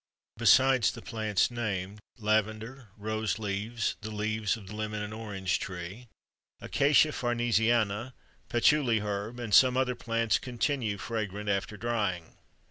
Besides the plants named, lavender, rose leaves, the leaves of the lemon and orange tree, Acacia farnesiana, patchouly herb, and some other plants continue fragrant after drying.